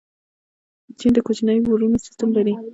چین د کوچنیو پورونو سیسټم لري.